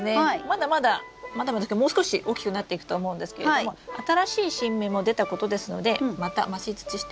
まだまだまだまだですけどもう少し大きくなっていくと思うんですけれども新しい新芽も出たことですのでまた増し土しておきましょうか。